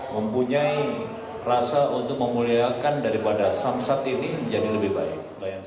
mempunyai rasa untuk memuliakan daripada samsat ini menjadi lebih baik